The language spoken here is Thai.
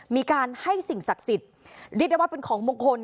มีการให้สิ่งศักดิ์สิทธิ์เรียกได้ว่าเป็นของมงคล